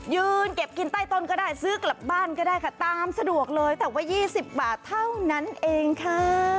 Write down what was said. ยืนเก็บกินใต้ต้นก็ได้ซื้อกลับบ้านก็ได้ค่ะตามสะดวกเลยแต่ว่า๒๐บาทเท่านั้นเองค่ะ